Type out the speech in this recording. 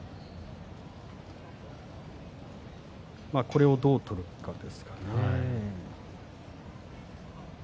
これをどう取るかですね。